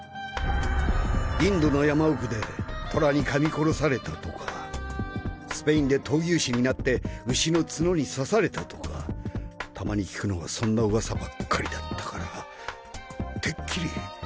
インドの山奥で虎に噛み殺されたとかスペインで闘牛士になって牛の角に刺されたとかたまに聞くのはそんなウワサばっかりだったからてっきり。